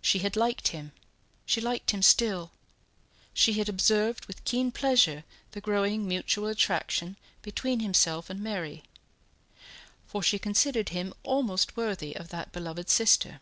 She had liked him, she liked him still; she had observed with keen pleasure the growing mutual attraction between himself and Mary, for she considered him almost worthy of that beloved sister.